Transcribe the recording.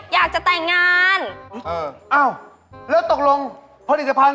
เอาไปนะครับ